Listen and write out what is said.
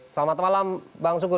selamat malam bang sukur